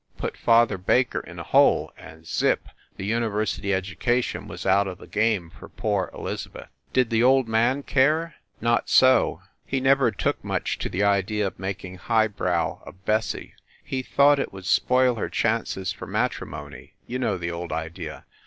put father Baker in a hole, and zip! the university edu cation was out of the game for poor Elizabeth. Did the old man care? Not so; he never took THE REPORTER OF "THE ITEM/ 105 much to the idea of making high brow of Bessie. He thought it would spoil her chances for matri mony you know the old idea.